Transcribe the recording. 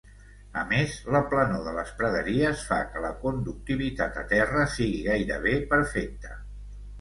A més, la planor de les praderies fa que la conductivitat a terra sigui gairebé perfecta.